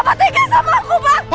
papa tega sama aku pak